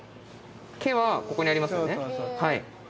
「け」はここにありますよね。